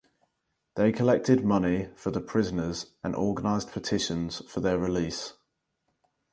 They collected money for the prisoners and organised petitions for their release.